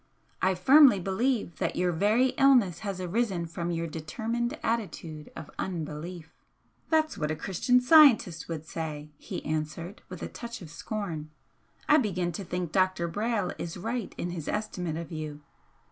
I firmly believe that your very illness has arisen from your determined attitude of unbelief." "That's what a Christian Scientist would say," he answered, with a touch of scorn, "I begin to think Dr. Brayle is right in his estimate of you."